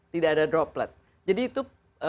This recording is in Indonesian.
tidak ada droplet jadi itu